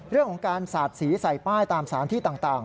เรื่องของการสาดสีใส่ป้ายตามสารที่ต่าง